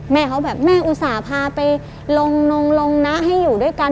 แม่เขาแบบแม่อุตส่าห์พาไปลงนงลงนะให้อยู่ด้วยกัน